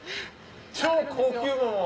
超高級桃。